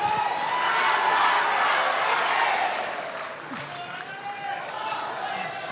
masa berakhir masa berakhir masa berakhir